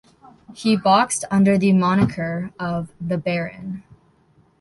He boxed under the moniker of "The Baron".